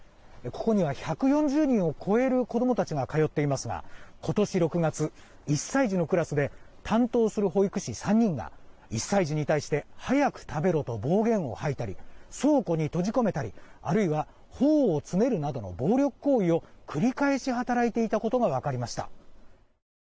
ここには１４０人を超える子供たちが通っていますが今年６月１歳児のクラスで担当する保育士３人が１歳児に対して早く食べろと暴言を吐いたり倉庫に閉じ込めたりあるいは頬をつねるなどの暴力行為を繰り返し働いていたことが分かりました。